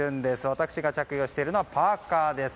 私が着用しているのはパーカです。